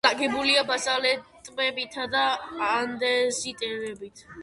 უმთავრესად აგებულია ბაზალტებითა და ანდეზიტებით.